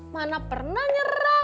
mana pernah nyerah